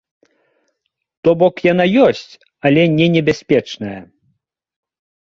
То бок яна ёсць, але не небяспечная.